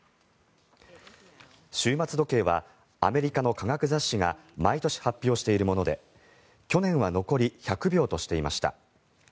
終末時計はアメリカの科学雑誌が毎年発表しているもので去年は残り１００秒としていました。